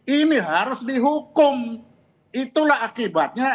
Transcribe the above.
ini harus dihukum itulah akibatnya